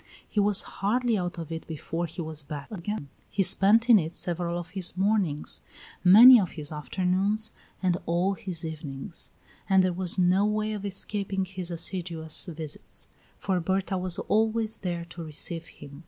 He was hardly out of it before he was back again. He spent in it several of his mornings, many of his afternoons, and all his evenings; and there was no way of escaping his assiduous visits, for Berta was always there to receive him.